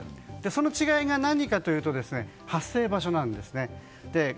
その違いが何かというと発生場所なんですね。